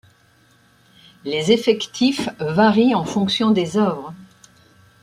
Les effectifs varient en fonction des œuvres.